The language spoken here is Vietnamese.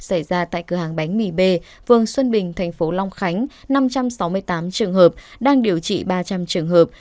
xảy ra tại cửa hàng bánh mì b vườn xuân bình tp long khánh năm trăm sáu mươi tám trường hợp đang điều trị ba trăm linh trường hợp